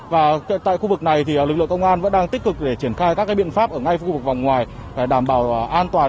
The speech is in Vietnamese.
và tại khu vực này thì lực lượng công an vẫn đang tích cực để triển khai các biện pháp ở ngay khu vực vòng ngoài để đảm bảo an toàn